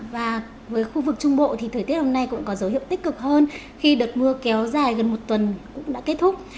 và với khu vực trung bộ thì thời tiết hôm nay cũng có dấu hiệu tích cực hơn khi đợt mưa kéo dài gần một tuần cũng đã kết thúc